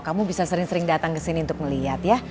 kamu bisa sering sering datang ke sini untuk melihat ya